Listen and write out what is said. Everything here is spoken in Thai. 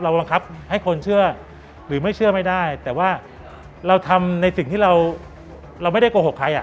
บังคับให้คนเชื่อหรือไม่เชื่อไม่ได้แต่ว่าเราทำในสิ่งที่เราไม่ได้โกหกใครอ่ะ